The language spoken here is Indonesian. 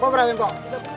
kok berapa lempok